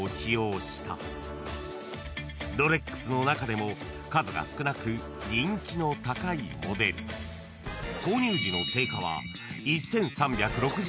［ロレックスの中でも数が少なく人気の高いモデル］え！？